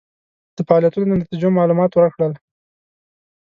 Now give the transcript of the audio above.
د فعالیتونو د نتیجو معلومات ورکړل.